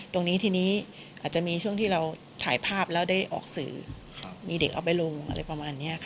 ตรงนี้ทีนี้อาจจะมีช่วงที่เราถ่ายภาพแล้วได้ออกสื่อมีเด็กเอาไปลงอะไรประมาณนี้ค่ะ